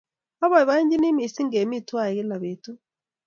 Apoipoenjini missing' kemi twai kila petut